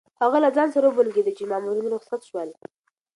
هغه له ځان سره وبونګېده چې مامورین رخصت شول.